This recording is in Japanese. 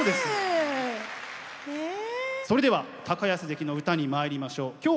それでは安関の歌にまいりましょう。